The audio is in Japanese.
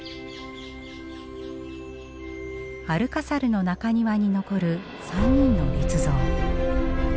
アルカサルの中庭に残る３人の立像。